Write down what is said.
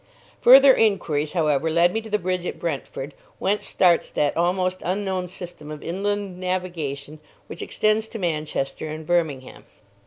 Further inquiries, however, led me to the bridge at Brentford, whence starts that almost unknown system of inland navigation which extends to Manchester and Birmingham.